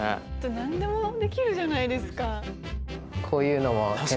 何でもできるじゃないですか。